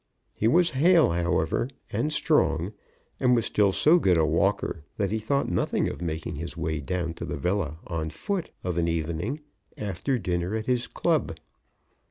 He was hale, however, and strong, and was still so good a walker that he thought nothing of making his way down to the villa on foot of an evening, after dining at his club.